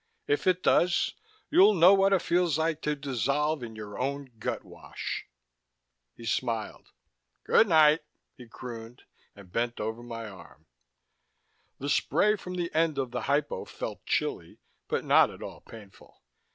If it does, you'll know what it feels like to dissolve in your own gutwash...." He smiled. "Good night," he crooned, and bent over my arm. The spray from the end of the hypo felt chilly, but not at all painful.